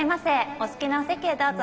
お好きなお席へどうぞ。